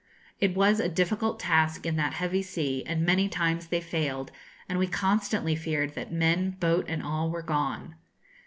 It was a difficult task in that heavy sea, and many times they failed, and we constantly feared that men, boat, and all were gone.